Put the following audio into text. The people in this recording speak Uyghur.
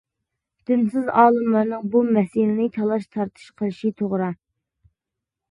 دىنسىز ئالىملارنىڭ بۇ مەسىلىنى تالاش-تارتىش قىلىشى توغرا.